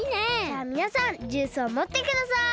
じゃあみなさんジュースをもってください。